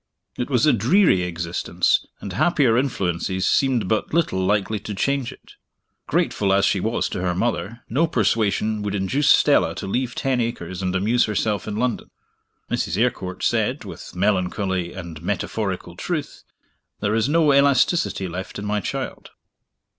It was a dreary existence, and happier influences seemed but little likely to change it. Grateful as she was to her mother, no persuasion would induce Stella to leave Ten Acres and amuse herself in London. Mrs. Eyrecourt said, with melancholy and metaphorical truth, "There is no elasticity left in my child."